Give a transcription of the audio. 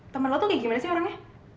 temen lo tuh kayak gimana sih orangnya